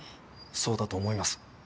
そうだと思います。